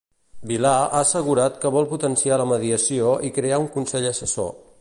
Vilà ha assegurat que vol potenciar la mediació i crear un consell assessor.